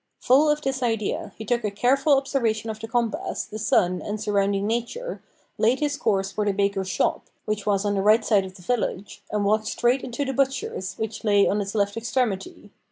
Full of this idea, he took a careful observation of the compass, the sun, and surrounding nature; laid his course for the baker's shop, which was on the right side of the village, and walked straight into the butcher's, which lay on its left extremity.